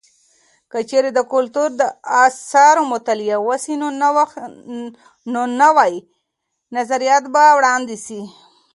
که چیرې د کلتور د اثارو مطالعه وسي، نو نوي نظریات به وړاندې سي.